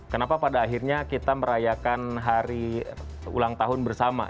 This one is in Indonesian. kenapa pada akhirnya kita merayakan hari ulang tahun bersama